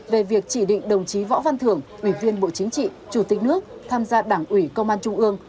về việc chỉ định đồng chí võ văn thưởng ủy viên bộ chính trị chủ tịch nước tham gia đảng ủy công an trung ương